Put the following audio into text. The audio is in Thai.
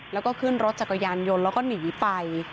แล้วก็ขึ้นรถจักรยานยนต์แล้วก็หนีไป